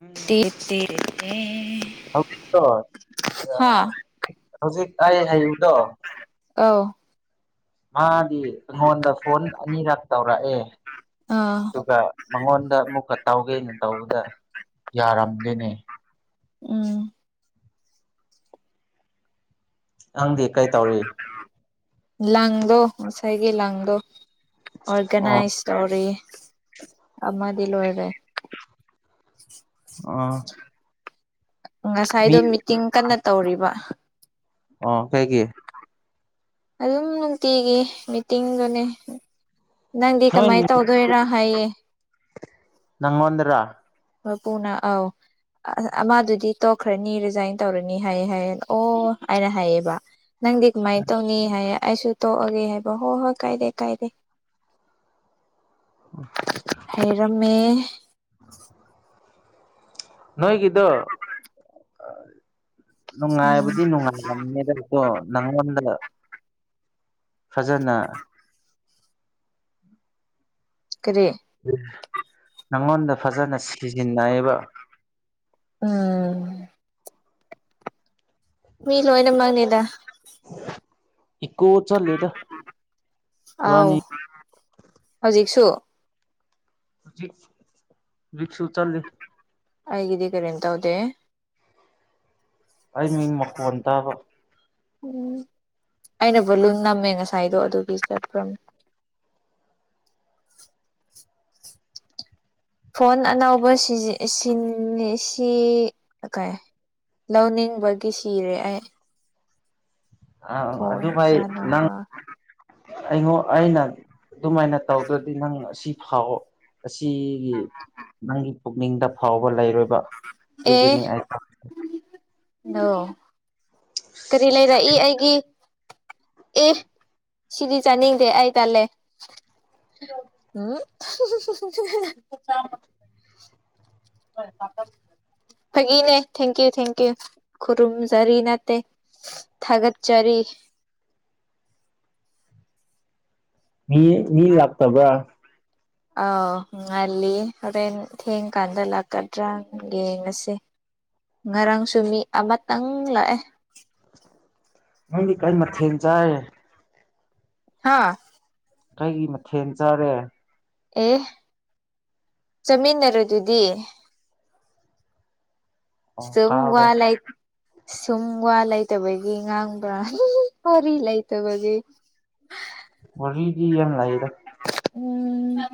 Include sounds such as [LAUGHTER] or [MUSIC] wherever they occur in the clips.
ꯎꯝ [UNINTELLIGIBLE] [UNINTELLIGIBLE] ꯍꯥꯥ ꯍꯧꯖꯤꯛ ꯑꯩ ꯍꯩꯕꯗꯣ ꯑꯧ ꯃꯥꯗꯤ ꯑꯩꯉꯣꯟꯗ ꯐꯣꯟ ꯑꯅꯤꯔꯛ ꯇꯧꯔꯛꯑꯦ ꯑꯥ ꯑꯗꯨꯒ ꯃꯉꯣꯟꯗ ꯑꯃꯨꯛꯀ ꯇꯧꯒꯦꯅ ꯇꯧꯕꯗ ꯌꯥꯔꯝꯗꯦꯅꯦ ꯎꯝ ꯅꯪꯗꯤ ꯀꯩꯇꯧꯔꯤ ꯂꯪꯗꯣ ꯉꯁꯥꯏꯒꯤ ꯂ꯫ꯗꫭ ꯑꯣ ꯑꯣꯔꯒꯅꯥꯏꯖ ꯇꯧꯔꯤ ꯑꯃꯗꯤ ꯂꯣꯏꯔꯦ ꯑ ꯉꯁꯥꯏꯗꯣ ꯃꯤꯇꯤꯡ ꯀꯟꯅ ꯇꯧꯔꯤꯕ ꯑꯣ ꯀꯩꯒꯤ ꯑꯗꯨꯝ ꯅꯨꯡꯇꯤꯒꯤ ꯃꯤꯇꯤꯡꯗꯨꯅꯦ ꯅꯪꯗꯤ ꯅꯣꯏ ꯀꯃꯥꯏꯅ ꯇꯧ ꯗꯣꯏꯔꯥ ꯍꯥꯏꯌꯦ ꯅꯪ ꯉꫭꯟꯗꯔꯥ ꯃꯄꯨꯅ ꯑꯧ ꯑ ꯑꯃꯥꯗꯨꯗꯤ ꯇꯣꯛꯈ꯭ꯔꯅꯤ ꯔꯤꯖꯥꯏꯟ ꯇꯧꯔꯅꯤ ꯍꯥꯏꯌꯦ ꯍꯥꯏꯌꯦ ꯑꯣ ꯍꯥꯏꯅ ꯍꯥꯏꯌꯦꯕ ꯅꯪꯗꯤ ꯀꯃꯥꯏꯅ ꯇꯧꯅꯤ ꯍꯥꯏ ꯑꯩꯁꯨ ꯇꯣꯛꯑꯒꯦ ꯍꯥꯏꯕ ꯍꯣꯏ ꯍꯣꯏ ꯀꯥꯏꯗꯦ ꯀꯥꯏꯗꯦ ꯍꯥꯏꯩꯔꯝꯃꯦꯃꯦ ꯅꯣꯏꯒꯤꯗꯣ ꯎꯝ ꯅꯨꯡꯉꯥꯏꯕꯨꯗꯤ ꯅꯨꯡꯉꯥꯏꯂꯝꯅꯤꯗ ꯑꯣ ꯅꯉꯣꯟꯗꯒ ꯐꯖꯅ ꯀꯔꯦ ꯅꯉꯣꯟꯗ ꯐꯖꯅ ꯁꯤꯖꯤꯟꯅꯩꯌꯦꯕ ꯎꯝ ꯃꯤ ꯂꯣꯏꯅꯃꯛꯅꯤꯗ ꯏꯀꯣ ꯆꯜꯦ ꯇꯅꯤ [UNINTELLIGIBLE] ꯍꯧꯖꯤꯛꯁꯨ ꯔꯤꯁꯨ ꯆꯜꯂꯦ ꯑꯩꯒꯤꯗ ꯀꯔꯤꯝ ꯇꯧꯗꯦ ꯑꯩ ꯃꯤꯟ ꯃꯈꯣꯟꯇꯕ ꯎꯝ ꯑꯩꯅꯕꯨ ꯂꯨꯝ ꯅꯝꯃꯦ ꯉꯁꯥꯏꯗꯣ ꯑꯗꯨꯒꯤ ꯆꯠꯈ꯭ꯔꯝꯅꯤ ꯐꯣꯟ ꯑꯅꯧꯕ ꯁꯤ ꯁꯤꯖꯤꯟ ꯁꯤ ꯀꯩ ꯂꯧꯅꯤꯡꯕꯒꯤ ꯁꯤꯔꯦ ꯑꯩ ꯑꯥ ꯐꯣꯟ ꯑꯗꯨꯃꯥꯏ ꯅꯪ ꯑꯅꯧꯕ ꯑꯩꯉꯣ ꯑꯩꯅ ꯑꯗꯨꯃꯥꯏꯅ ꯇꯧꯗ꯭ꯔꯗꯤ ꯅꯪ ꯁꯤ ꯐꯥꯎꯑꯣ ꯑꯁꯤꯒꯤ ꯅꯪꯒꯤ ꯄꯨꯛꯅꯤꯡꯗ ꯐꯥꯎꯕ ꯂꯩꯔꯣꯏ ꯑꯗꯨꯒꯤꯅꯤ ꯑꯩ ꯑꯣ ꯀꯔꯤ ꯂꯩꯔꯏ ꯑꯩꯒꯤ ꯑꯦ ꯁꯤꯗꯤ ꯆꯥꯅꯤꯡꯗꯦ ꯑꯩ ꯇꯜꯂꯦ ꯎ [UNINTELLIGIBLE] [UNINTELLIGIBLE] ꯐꯒꯤꯅꯦ ꯊꯦꯡꯀ꯭ꯌꯨ ꯊꯦꯡꯀ꯭ꯌꯨ ꯈꯨꯔꯨꯝꯖꯔꯤ ꯅꯠꯇꯦ ꯊꯥꯒꯠꯆꯔꯤ ꯃꯤ ꯃꯤ ꯂꯥꯛꯇꯕ꯭ꯔꯥ ꯑꯥꯎ ꯉꯜꯂꯤ ꯍꯣꯔꯦꯟ ꯊꯦꯡꯀꯥꯟꯗ ꯂꯥꯛꯀꯗ꯭ꯔꯥ ꯌꯦꯡꯉꯁꯤ ꯉꯔꯥꯡꯁꯨꯨ ꯃꯤ ꯑꯃꯇꯪ ꯂꯥꯛꯑꯦ ꯅꯪꯗꯤ ꯀꯩ ꯃꯥꯊꯦꯟ ꯆꯥꯢ ꯍꯥꯥ ꯀꯩꯒꯤ ꯃꯊꯦꯜ ꯆꯥꯔꯦ ꯑꯦ ꯆꯃꯤꯟꯅꯔ ꯑꯗꯨꯗꯤ ꯑꯣ ꯁꯨꯝ ꯀꯥꯎꯔꯦ ꯋꯥꯂꯩ ꯁꯨꯝ ꯋꯥ ꯂꯩꯇꯕꯒꯤ ꯉꯥꯡꯕ꯭ꯔꯥ ꯋꯔꯤ ꯂꯩꯇꯕꯒꯤ ꯋꯥꯔꯤꯒꯤ ꯌꯥꯝ ꯂꯩꯑꯦꯗ ꯎꯝ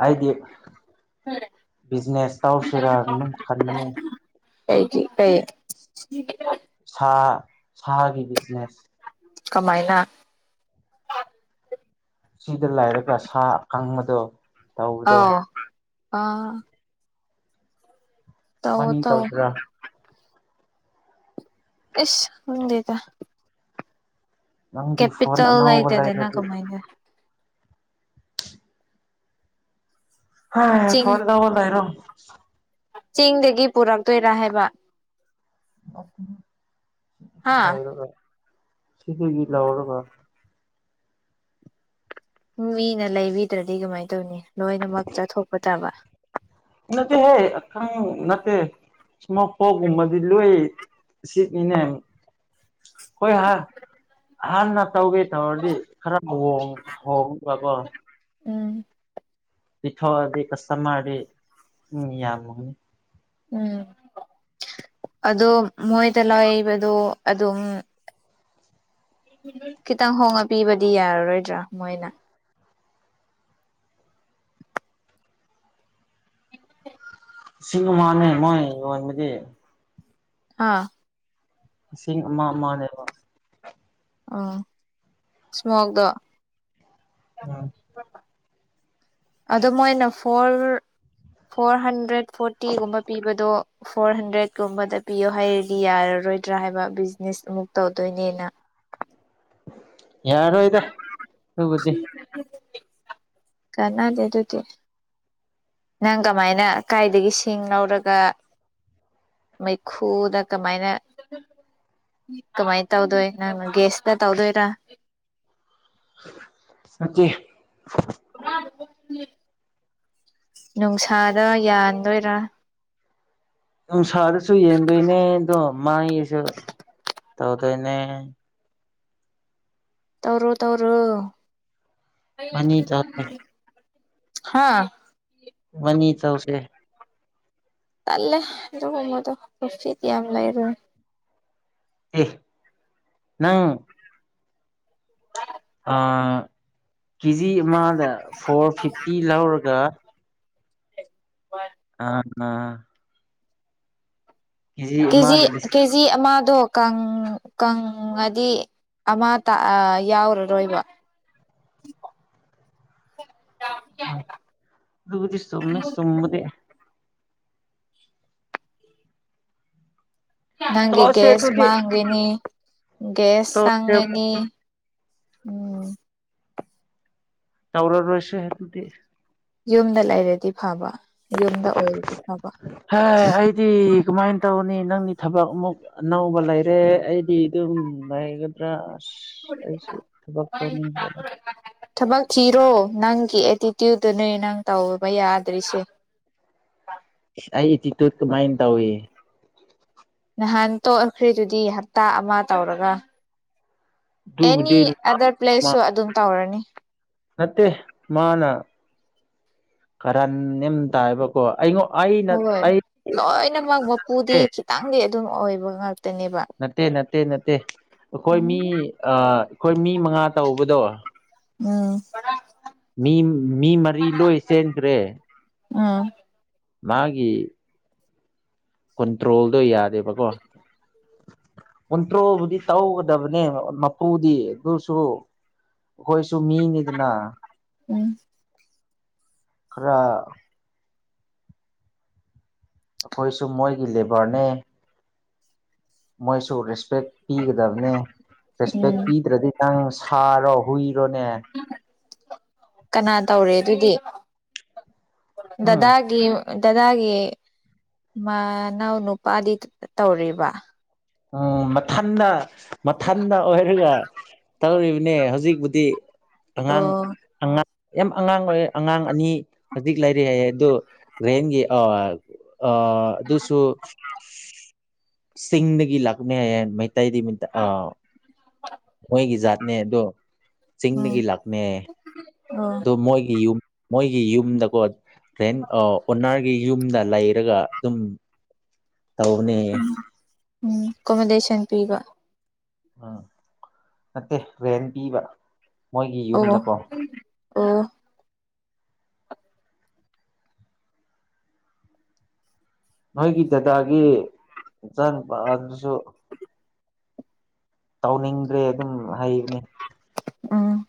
ꯍꯥꯏꯗꯤ ꯕꯤꯖꯤꯅꯦꯁ ꯇꯥꯎ ꯁꯦꯔꯥ ꯅꯝ ꯈꯟꯕꯅꯦ ꯀꯩꯒꯤ ꯀꯩ ꯁꯥ ꯁꯥꯒꯤ ꯕꯤꯖꯤꯅꯦꯁ ꯀꯃꯥꯏꯅ ꯆꯗ ꯂꯥꯏꯔꯒ ꯁꯥ ꯀꯥꯡꯪꯕꯗꯣ ꯑꯣ ꯑ ꯇꯧ ꯃꯅꯤ ꯇꯧ ꯀꯧꯁꯤ꯭ꯔꯥ ꯏꯁ ꯍꯗꯗ ꯅꯪꯗꯤ ꯐꯣꯟ ꯀꯦꯄꯤꯇꯜ ꯑꯅꯧꯕ ꯑꯇꯗꯅ ꯂꯩꯔꯗꯤ ꯀꯃꯥꯏꯗꯦ ꯍ ꯆꯤꯡ ꯐꯣꯟꯗꯕꯣꯂꯦꯔꯣ ꯆꯤꯡꯗꯒꯤ ꯄꯨꯔꯛꯇꯣꯏꯔ ꯍꯥꯏꯕ ꯍꯥ ꯂꯩꯔꯒ ꯁꯤꯗꯒꯤ ꯂꯧꯔꯒ ꯃꯤꯅ ꯂꯩꯕꯤꯗ꯭ꯔꯗꯤ ꯀꯃꯥꯏꯟ ꯇꯧꯅꯤ ꯂꯣꯏꯅꯃꯛ ꯆꯥꯊꯣꯛꯄ ꯇꯥꯕ ꯅꯠꯇꯦꯍꯦ ꯑꯈꯪ ꯅꯠꯇꯦ ꯁ꯭ꯃꯣꯛ ꯄ꯭ꯔꯣꯛꯒꯨꯝꯕꯗꯤ ꯂꯣꯏ ꯁꯤꯠꯅꯤꯅꯦ ꯍꯣꯏ ꯍꯥ ꯑꯍꯥꯟꯅ ꯇꯧꯒꯦ ꯇꯧꯔꯗꯤ ꯈꯔ ꯍꯣꯡ ꯍꯣꯡꯒꯕ ꯎꯝ ꯄꯤꯊꯣꯛꯑꯗꯤ ꯀꯁꯇꯃꯔꯗꯤ ꯎꯝ ꯌꯥꯝꯃꯣꯏꯟ ꯎꯝ ꯑꯗꯣ ꯃꯣꯏꯗ ꯂꯩꯏꯕꯗꯣ ꯑꯗꯨꯝ ꯈꯤꯇꯪ ꯍꯣꯡꯉ ꯄꯤꯕꯗꯤ ꯌꯥꯔꯔꯣꯏꯗ꯭ꯔꯥ ꯃꯣꯏꯅ ꯁꯤꯡ ꯃꯥꯅꯦ ꯃꯣꯏ ꯌꯣꯟꯕꯗꯤ ꯍꯥꯥ ꯏꯁꯤꯡ ꯑꯃ ꯑꯃꯅꯦꯕ ꯑꯣ ꯁ꯭ꯃꯣꯛꯗꯣ [UNINTELLIGIBLE] ꯑꯗꯣ ꯃꯣꯏꯅ ꯐꯣꯔ ꯐꯣꯔ ꯍꯟꯗ꯭ꯔꯦꯠ ꯐꯣꯔꯇꯤꯒꯨꯝꯕ ꯄꯤꯕꯗꯣ ꯐꯣꯔ ꯍꯟꯗ꯭ꯔꯦꯗꯀꯨꯝꯕꯗ ꯄꯤꯌꯣ ꯍꯥꯏꯔꯗꯤ ꯌꯥꯔꯔꯣꯏꯗ꯭ꯔꯥ ꯍꯥꯏꯕ ꯕꯤꯖꯤꯅꯦꯁ ꯑꯃꯨꯛ ꯇꯧꯗꯣꯏꯅꯤꯅ ꯌꯥꯔꯣꯏꯗ ꯑꯗꯨꯕꯨꯗꯤ ꯀꯅꯥꯗꯦ ꯑꯗꯨꯗꯤ ꯅꯪ ꯀꯃꯥꯏꯅ ꯀꯥꯏꯗꯒꯤ ꯁꯤꯡ ꯂꯧꯔꯒ ꯃꯩꯈꯨꯗ ꯀꯃꯥꯏꯅ ꯀꯃꯥꯏꯅ ꯇꯧꯗꯣꯏ ꯅꯪ ꯒꯦꯁꯇ ꯇꯧꯗꯣꯏꯔꯥ ꯅꯠꯇꯦ [UNINTELLIGIBLE] ꯅꯨꯡꯁꯥꯗ ꯌꯥꯟꯗꯣꯏꯔꯥ ꯅꯨꯡꯁꯥꯗꯁꯨ ꯌꯦꯟꯗꯣꯏꯅꯦ ꯑꯗꯣ ꯃꯒꯤꯁꯨ ꯇꯧꯗꯣꯏꯅꯦ ꯇꯧꯔꯣ ꯇꯧꯔꯣ [UNINTELLIGIBLE] ꯍꯥꯥ ꯃꯣꯏꯅꯤ ꯇꯧꯁꯦ ꯇꯜꯂꯦ ꯑꯗꯨ ꯀꯩꯅꯣꯗꯣ ꯄꯔꯣꯐꯤꯠ ꯌꯥꯝ ꯂꯩꯔꯣꯏ ꯑꯦ ꯅꯪ ꯑ ꯀꯦꯖꯤ ꯑꯃꯗ ꯐꯣꯔ ꯐꯤꯐꯇꯤ ꯂꯧꯔꯒ [UNINTELLIGIBLE] [UNINTELLIGIBLE] ꯀꯦꯖꯤ ꯑꯃꯗ ꯂꯤꯁꯤꯡ ꯀꯦꯖꯤ ꯑꯃꯗꯣ ꯀꯪ ꯀꯪꯉꯗꯤ ꯑꯃꯇ ꯑ ꯌꯥꯎꯔꯔꯣꯏꯕ ꯑ ꯑꯗꯨꯕꯨꯗꯤ ꯆꯨꯝꯃꯦ ꯆꯨꯝꯕꯗꯤ ꯅꯪꯒꯤ ꯇꯣꯛꯑꯁꯦ ꯒꯦꯁ ꯑꯗꯨꯗꯤ ꯃꯥꯡꯒꯅꯤ ꯒꯦꯁ ꯇꯣꯛꯑꯁꯦ ꯆꯪꯒꯅꯤ ꯎꯝ ꯇꯧꯔꯔꯣꯏꯁꯦ ꯑꯗꯨꯗꯤ ꯌꯨꯝꯗ ꯂꯩꯔꯗꯤ ꯐꯕꯥ ꯌꯨꯝꯗ ꯑꯣꯏꯔꯗꯤ ꯐꯕꯥ ꯗꯤ ꯀꯃꯥꯏꯅ ꯇꯧꯅꯤ ꯅꯪꯒꯤ ꯊꯕꯛ ꯑꯃꯨꯛ ꯑꯅꯧꯕ ꯂꯩꯔꯦ ꯑꯩꯗꯤ ꯑꯗꯨꯝ ꯂꯩꯒ ꯭ꯔꯁ ꯑꯩꯁꯨ ꯊꯕꯛ ꯇꯧꯅꯤꯡꯇ꯭ꯔꯦ꯫ ꯊꯕꯛ ꯊꯤꯔꯣ ꯅꯪꯒꯤ ꯑꯦꯇꯤꯇ꯭ꯌꯨꯠꯇꯅꯦ ꯅꯪ ꯇꯧꯕ ꯌꯥꯗ꯭ꯔꯤꯁꯦ꯫ ꯏꯁ ꯑꯩ ꯑꯦꯇꯤꯇꯨꯠ ꯀꯃꯥꯏꯅ ꯇꯧꯏ꯫ ꯅꯍꯥꯟ ꯇꯣꯛꯑꯈ꯭ꯔꯤꯗꯨꯗꯤ ꯍꯞꯇꯥ ꯑꯃ ꯇꯧꯔꯒ ꯑꯦꯅꯤ ꯑꯗꯨꯕꯨꯗꯤ ꯑꯗꯔ ꯄ꯭ꯂꯦꯁꯁꯨ ꯑꯗꯨꯝ ꯇꯧꯔꯅꯤ꯫ ꯅꯠꯇꯦ ꯃꯥꯅ ꯀꯔꯝ ꯅꯦꯝ ꯇꯥꯏꯕ ꯀꯣ ꯑꯩꯉꯣ ꯑꯩꯅ ꯍꯣꯏ ꯑꯩ ꯂꯣꯏꯅꯃꯛ ꯃꯄꯨꯗꯤ ꯅꯠꯇꯦ ꯈꯤꯇꯪꯗꯤ ꯑꯗꯨꯝ ꯑꯣꯏꯕ ꯉꯥꯛꯇꯅꯦꯕ꯫ ꯅꯠꯇꯦ ꯅꯠꯇꯦ ꯅꯠꯇꯦ ꯑꯩꯈꯣꯏ ꯃꯤ ꯎꯝ ꯑ ꯑꯩꯈꯣꯏ ꯃꯤ ꯃꯉꯥ ꯇꯧꯕꯗꯣ ꯎꯝ ꯃꯤ ꯃꯤ ꯃꯔꯤ ꯂꯣꯏ ꯆꯦꯟꯈ꯭ꯔꯦ꯫ ꯎꯝ ꯃꯥꯒꯤ ꯀꯨꯟꯇ꯭ꯔꯣꯜꯗꯣ ꯌꯥꯗꯦꯕꯀꯣ꯫ ꯀꯨꯟꯇ꯭ꯔꯣꯕꯨꯗꯤ ꯇꯧꯒꯗꯕꯅꯦ ꯃꯄꯨꯗꯤ ꯑꯗꯨꯁꯨ ꯑꯩꯈꯣꯏꯁꯨ ꯃꯤꯅꯤꯗꯅ [INAUDIBLE] ꯈꯔ ꯑꯩꯈꯣꯏꯁꯨ ꯃꯣꯏꯒꯤ ꯂꯦꯕꯔꯅꯦ꯫ ꯃꯣꯏꯁꯨ ꯔꯦꯁꯄꯦꯛ ꯄꯤꯒꯗꯕꯅꯦ ꯔꯦꯁꯄꯦꯛ ꯎꯝ ꯄꯤꯗ꯭ꯔꯗꯤ ꯅꯪ ꯁꯥꯔꯣ ꯍꯨꯏꯔꯣꯅꯦ꯫ ꯀꯅꯥ ꯇꯧꯔꯦ ꯑꯗꯨꯗꯤ ꯎꯝ ꯗꯗꯥꯒꯤ ꯗꯗꯥꯒꯤ ꯃꯅꯥꯎ ꯅꯨꯄꯥꯗꯤ ꯇꯧꯔꯤꯕ ꯎꯝ ꯃꯊꯟꯗ ꯃꯊꯟꯗ ꯑꯣꯏꯍ ꯑꯩꯒ ꯇꯩꯔꯤꯕꯅꯦ ꯍꯧꯖꯤꯛꯄꯨꯗꯤ ꯑꯉꯥꯡ ꯑꯣ ꯑꯉꯥꯡ ꯌꯥꯝ ꯑꯉꯥꯡ ꯑꯣꯏ ꯑꯉꯥꯡ ꯑꯅꯤ ꯍꯧꯖꯤꯛ ꯂꯩꯔꯤ ꯍꯥꯏꯌꯦ ꯑꯗꯣ ꯔꯦꯟꯒꯤ ꯑꯥ ꯑ ꯑꯗꯨꯁꯨ ꯆꯤꯡꯗ ꯑꯩꯒꯤ ꯂꯥꯛꯅꯦꯌꯦ ꯃꯩꯇꯩꯗꯤ ꯑ ꯃꯣꯏꯒꯤ ꯖꯥꯠꯅꯦ ꯑꯗꯣ ꯎꯝ ꯆꯤꯡꯗꯒꯤ ꯂꯥꯛꯅꯦ꯫ [INAUDIBLE] ꯑꯗꯣ ꯃꯣꯏꯒꯤ ꯌꯨꯝ ꯃꯣꯏꯒꯤ ꯌꯨꯝꯗꯀꯣ꯫ ꯍꯦꯟ ꯑꯣ ꯑꯣꯅꯔꯒꯤ ꯌꯨꯝꯗ ꯂꯩꯔꯒ ꯑꯗꯨꯝ ꯇꯧꯅꯦ꯫ ꯎꯝ ꯀꯣꯃꯦꯗꯦꯁꯟ ꯄꯤꯕ꯫ ꯎꯝ ꯅꯠꯇꯦ ꯔꯦꯟ ꯄꯤꯕ꯫ ꯃꯣꯏꯒꯤ ꯑꯣ ꯌꯨꯝꯗꯀꯣ ꯑꯣ ꯅꯣꯏꯒꯤ ꯗꯗꯥꯒꯤ ꯃꯆꯥꯥ ꯅꯨꯨꯄꯥ ꯗꯨꯁꯨ ꯇꯧꯅꯤꯡꯗ꯭ꯔꯦ ꯑꯗꯨꯝ ꯍꯥꯏꯅꯤ꯫ ꯎꯝ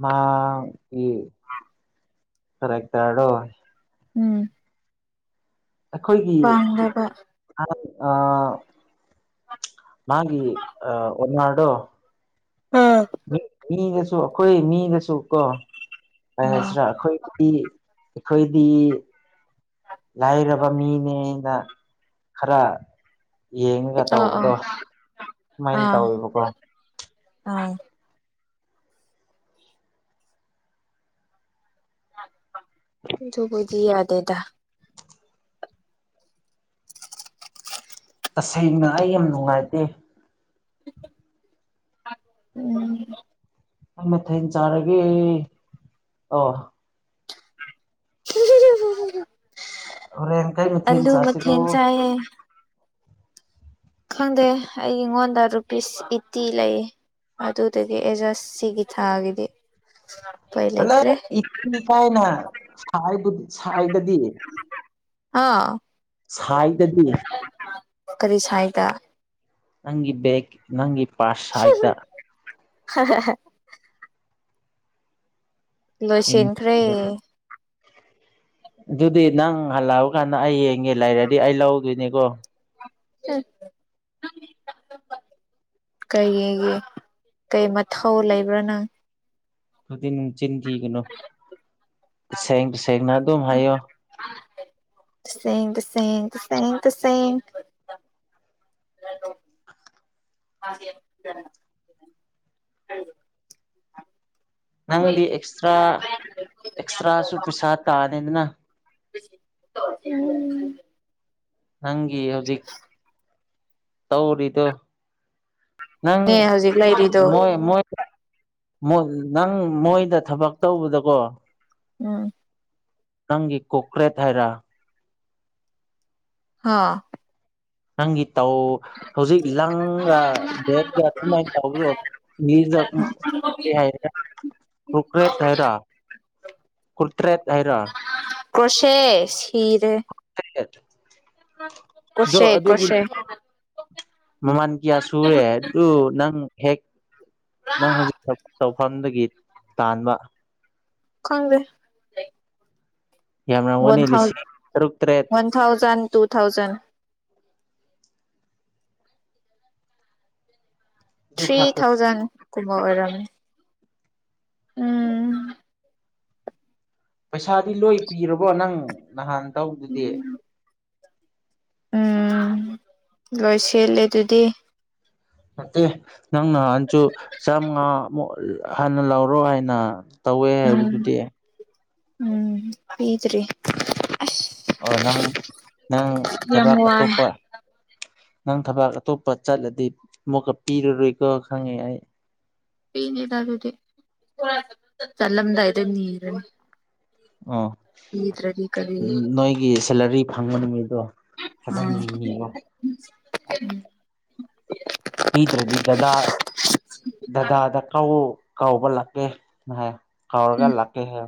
ꯃꯥ ꯒꯤ ꯐꯔꯛꯇꯔꯣ꯫ ꯎꯝ ꯑꯩꯈꯣꯏꯒꯤ꯫ ꯄꯥꯝꯗꯕ ꯑ ꯃꯥꯒꯤ ꯑ ꯑꯣꯔꯅꯗꯣ ꯑꯥ ꯃꯤ ꯃꯤꯗꯁꯨ ꯑꯩꯈꯣꯏ ꯃꯤꯗꯁꯨꯀꯣ ꯀꯩ ꯎꯝ ꯑꯥ ꯍꯥꯏꯁꯤꯔꯥ ꯑꯩꯈꯣꯏ ꯑꯩꯈꯣꯏꯗꯤ ꯂꯥꯏꯔꯕ ꯃꯤꯅꯦꯅ ꯈꯔ ꯌꯦꯡꯉꯒ ꯑꯥ ꯇꯧꯕꯗꯣ ꯁꯃꯥꯏꯅ ꯑꯥ ꯇꯧꯋꯦꯕꯀꯣ꯫ [INAUDIBLE] ꯑꯗꯨꯕꯨꯗꯤ ꯌꯥꯗꯦꯗ꯫ ꯇꯁꯦꯡꯅ ꯑꯩ ꯌꯥꯝ ꯅꯨꯡꯉꯥꯏꯇꯦ [INAUDIBLE] ꯀꯩ ꯃꯊꯦꯟ ꯆꯥꯔꯒꯦ ꯑ ꯍꯣꯔꯦꯟ ꯀꯩ ꯃꯊꯦꯜ ꯑꯂꯨ ꯃꯊꯦꯟ ꯆꯥꯁꯤꯔꯣ ꯆꯥꯢꯌꯦ ꯈꯪꯗꯦ ꯑꯩꯉꯣꯟꯗ ꯔꯨꯄꯤꯁ ꯏꯠꯇꯤ ꯂꯩꯌꯦ ꯑꯗꯨꯗꯒꯤ ꯑꯦꯖꯁ ꯁꯤꯒꯤ ꯊꯥꯒꯤꯗꯤ ꯎꯄꯥꯏ ꯆꯠꯂ ꯂꯩꯇ꯭ꯔꯦ ꯏꯠꯇꯤ ꯀꯥꯏꯅ ꯁꯥꯏꯕꯨ ꯁꯥꯏꯗꯗꯤ [INAUDIBLE] ꯁꯥꯏꯗꯗꯤ ꯀꯔꯤ ꯁꯥꯏꯗ ꯅꯪꯒꯤ ꯕꯦꯛ ꯅꯪꯒꯤ ꯄꯥꯁꯁ ꯍꯥꯏꯗ ꯍ ꯍ ꯆꯤꯟ ꯂꯣꯏꯁꯅꯈ꯭ꯔꯦ ꯑꯗꯨꯗꯤ ꯅꯪ ꯍꯜꯂꯛꯑ ꯀꯥꯟꯗ ꯑꯩ ꯌꯦꯡꯒꯦ ꯂꯩꯔꯗꯤ ꯑꯩ ꯂꯧꯗꯣꯏꯅꯤꯀꯣ ꯎ ꯀꯩꯒꯤ ꯀꯩ ꯃꯊꯧ ꯂꯩꯕ꯭ꯔꯥ ꯅꯪ ꯑꯗꯨꯗꯤ ꯅꯨꯡ ꯆꯤꯟꯈꯤꯒꯅꯨ ꯁꯦꯡ ꯁꯦꯡꯅ ꯑꯗꯨꯝ ꯍꯥꯏꯌꯣ ꯁꯦꯡ ꯇ ꯁꯦꯡ ꯁꯦꯡ ꯇ ꯁꯦꯡ ꯅꯪꯗꯤ ꯑꯦꯛꯁꯇ꯭ꯔꯥ ꯑꯦꯛꯁꯇ꯭ꯔꯥꯁꯨ ꯄꯩꯁꯥ ꯇꯥꯅꯤꯗꯅ ꯎꯝ ꯍꯪꯤ ꯍꯧꯖꯤꯛ ꯇꯧꯔꯤꯗꯣ ꯅꯪ ꯅꯦ ꯍꯧꯖꯤꯛ ꯂꯩꯔꯤꯗꯣ ꯃꯣꯏ ꯃꯣꯏ ꯅꯪ ꯃꯣꯏꯗ ꯊꯕꯛ ꯇꯧꯕꯗꯀꯣ ꯎꯝ ꯅꯪꯒꯤ ꯀꯣꯀ꯭ꯔꯦꯠ ꯍꯥꯏꯔꯥ ꯍꯥꯥ ꯅꯪꯤ ꯇꯥꯎ ꯍꯧꯖꯤꯛ ꯏꯂꯪ ꯕꯒ ꯁꯃꯥꯏꯅ ꯇ꯭ꯔꯣ ꯃꯤꯔ ꯎ ꯍꯥꯏ ꯀꯀ꯭ꯔꯦꯠ ꯍꯥꯏꯩꯔ ꯀꯇ꯭ꯔꯦꯠ ꯍꯥꯏꯔ ꯀ꯭ꯔꯣꯁꯦ ꯁꯤꯤꯔꯦ ꯣ ꯀ꯭ꯔꯣꯁꯦ ꯑꯗꯨꯒꯤ ꯀ꯭ꯔꯣꯁꯦ ꯃꯃꯥꯟ ꯀꯌꯥ ꯁꯨꯔꯨꯔꯦ ꯑꯗꯨ ꯅꯪ ꯍꯦꯛ ꯅꯪ ꯍꯧꯖꯤꯛ ꯇꯧꯐꯝꯗꯒꯤ ꯇꯥꯟꯕ ꯈꯪꯦ ꯋꯥꯟ ꯌꯥꯝꯔꯝꯒꯅꯤ ꯊꯥꯎꯖ ꯂꯤꯁꯤꯡ ꯇꯔꯨꯛ ꯇꯔꯦꯠ ꯋꯥꯟ ꯊꯥꯎꯖꯟ ꯇꯨ ꯊꯥꯎꯖꯟ ꯑꯗꯨ ꯊ꯭ꯔꯤ ꯈꯛꯇ ꯊꯥꯎꯖꯟꯒꯨꯝꯕ ꯑꯣꯏꯔꯝꯃꯤ ꯎꯝ ꯄꯩꯁꯥꯗꯤ ꯂꯣꯏ ꯄꯤꯔꯕꯣ ꯅꯪ ꯅꯍꯥꯟ ꯇꯧꯗꯨꯗꯤ ꯎꯝ ꯂꯣꯏ ꯁꯦꯠꯂꯦ ꯑꯗꯨꯗꯤ ꯑꯦ ꯅꯪ ꯅꯍꯥꯟꯁꯨ ꯆꯥꯝꯃꯉꯥꯃꯨꯛ ꯍꯥꯟꯅ ꯂꯧꯔꯣ ꯍꯥꯏꯅ ꯇꯧꯋꯦ ꯎꯝ ꯍꯥꯏꯕꯗꯨꯗꯤ ꯎꯝ ꯄꯗ꯭꯭ꯔꯤ ꯑꯣ ꯅꯪ ꯅꯪ ꯌꯥꯝ ꯊꯕꯛ ꯋꯥꯏ ꯑꯇꯣꯞꯄ ꯅꯪ ꯊꯕꯥꯛ ꯑꯇꯣꯞꯄ ꯆꯠꯂꯗꯤ ꯃꯨꯛꯀ ꯄꯤꯔꯔꯣꯏꯀꯣ ꯈꯪꯉꯦ ꯑꯩ ꯄꯤꯅꯤ ꯂꯗꯤ ꯆꯂꯝꯗ ꯏꯗꯅꯤꯔ ꯑꯣ ꯀꯔꯤ ꯅꯣꯏꯒꯤ ꯁꯦꯂꯔꯤ ꯐꯪꯕꯅꯤ ꯃꯤꯗꯣ ꯎꯝ ꯄꯤꯗ꯭ꯔꯗꯤ ꯗꯗꯥ ꯗꯗꯥꯗ ꯀ ꯀꯥꯎꯕ ꯂꯥꯛꯀꯦ ꯍꯥꯏ ꯀꯥꯔꯒꯥ ꯂꯥꯛꯀꯦꯍꯦ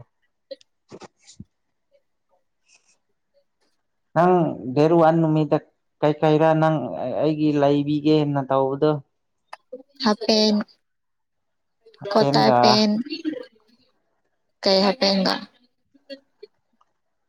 ꯍꯪ ꯗꯦꯔꯨ ꯋꯥ ꯅꯨꯃꯤꯗ ꯀꯩꯀꯩꯔꯥ ꯅꯪ ꯑꯩꯒꯤ ꯂꯩꯕꯤꯒꯦꯅ ꯇꯧꯕꯗꯣ ꯍꯥꯞ ꯄꯦꯟ ꯀꯇꯥ ꯍꯥꯄꯦꯟꯒ ꯄꯦꯟ ꯀꯩ ꯍꯇꯦꯡꯒ